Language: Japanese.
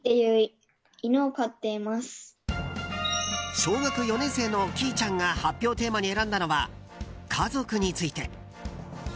小学４年生のきいちゃんが発表テーマに選んだのは家族について。